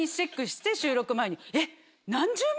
えっ！